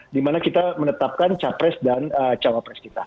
dimana kita menetapkan capres dan cawapres kita